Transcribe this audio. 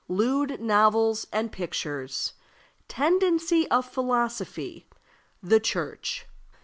Lewd Novels and Pictures. Tendency of Philosophy. The Church.